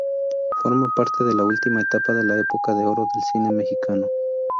Forma parte de la última etapa de la Época de oro del cine mexicano.